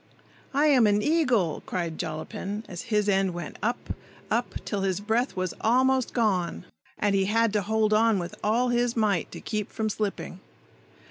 "I am an eagle!" cried Jollapin, as his end went up, up, till his breath was almost gone, and he had to hold on with all his might to keep from slipping.